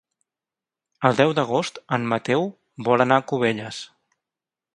El deu d'agost en Mateu vol anar a Cubelles.